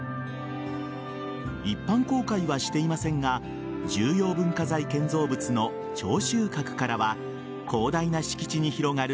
一般公開はしていませんが重要文化財建造物の聴秋閣からは広大な敷地に広がる